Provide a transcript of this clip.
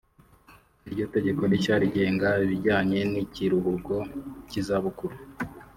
Iryo tegeko rishya rigenga ibijyanye n’ikiruhuko cy’izabukuru